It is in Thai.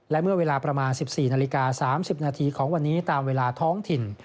และเมื่อเวลาประมาณ๑๔นาฬิกา๓๐นาทีของวันนี้ตามเวลาท้องถิ่น